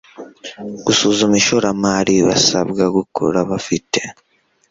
gusuzuma ishoramari basabwa gukora bafite